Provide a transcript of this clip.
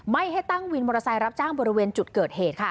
ไม่ให้ตั้งวินมอเตอร์ไซค์รับจ้างบริเวณจุดเกิดเหตุค่ะ